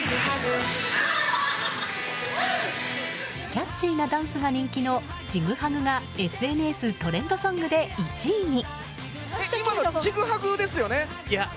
キャッチーなダンスが人気の「チグハグ」がＳＮＳトレンドソングで１位に。